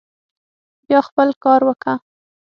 بيا خپل کار وکه.